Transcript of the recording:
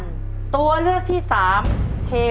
ช่วงมีชื่อไทยว่าอะไร